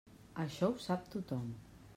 Això ho sap tothom.